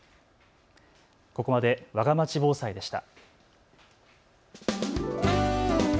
ここまでわがまち防災でした。